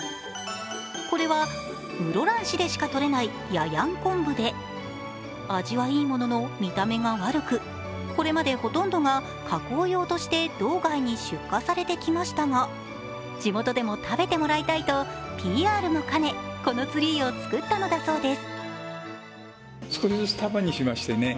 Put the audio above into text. これは室蘭市でしか採れないヤヤン昆布で味はいいものの、見た目が悪くこれまでほとんどが加工用として道外に出荷されてきましたが、地元でも食べてもらいたいとＰＲも兼ねこのツリーを作ったのだそうです。